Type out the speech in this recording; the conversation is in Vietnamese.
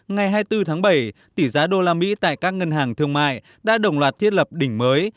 ngày hai mươi bốn tháng bảy tỷ giá đô la mỹ tại các ngân hàng thương mại đã đồng loạt thiết lập đỉnh mới